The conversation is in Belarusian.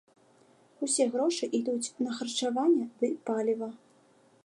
Усе грошы ідуць на харчаванне ды паліва.